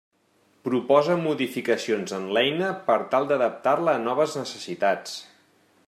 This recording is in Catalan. Proposa modificacions en l'eina per tal d'adaptar-la a noves necessitats.